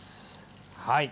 はい。